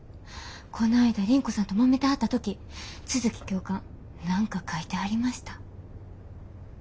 こないだ倫子さんともめてはった時都築教官何か書いてはりました。